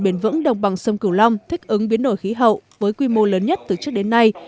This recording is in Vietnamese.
bền vững đồng bằng sông cửu long thích ứng biến đổi khí hậu với quy mô lớn nhất từ trước đến nay